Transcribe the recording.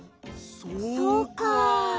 そうか。